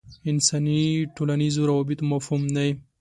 انساني ټولنیزو روابطو مفهوم دی.